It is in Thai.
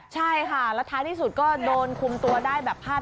ใช่ค่ะแล้วท้ายที่สุดก็โดนคุมตัวได้แบบพลาด